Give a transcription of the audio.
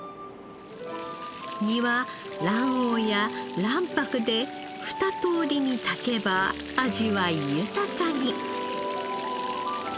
身は卵黄や卵白で二通りに炊けば味わい豊かに。